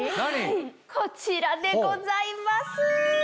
こちらでございます。